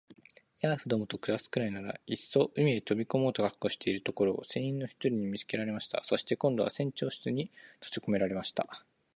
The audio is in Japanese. ヤーフどもと暮すくらいなら、いっそ海へ飛び込もうと覚悟しているところを、船員の一人に見つけられました。そして、今度は船長室にとじこめられました。